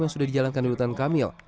yang sudah dijalankan ridwan kamil